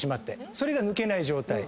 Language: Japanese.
それが抜けない状態。